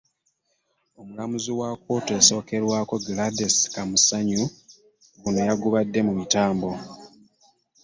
Omulamuzi wa kkooti esookerwako, Gladys Kamasanyu, guno y'agubadde mu mitambo.